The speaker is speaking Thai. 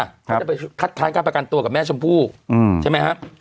เขาจะไปคัดค้านการประกันตัวกับแม่ชมพู่ใช่ไหมครับ